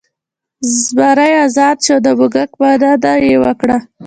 زمری ازاد شو او د موږک مننه یې وکړه.